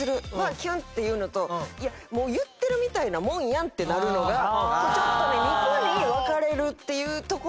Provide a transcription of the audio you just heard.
キュン！っていうのといやもう言ってるみたいなもんやんってなるのがちょっとね２個に分かれるっていうところはあるんですけど。